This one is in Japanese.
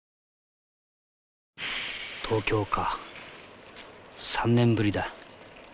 東京か３年ぶりだ。